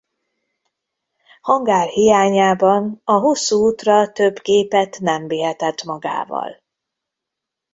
Hangár hiányában a hosszú útra több gépet nem vihetett magával.